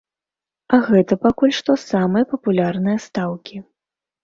Гэта пакуль што самыя папулярныя стаўкі.